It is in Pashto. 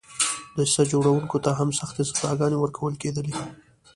دسیسه جوړوونکو ته هم سختې سزاګانې ورکول کېدلې.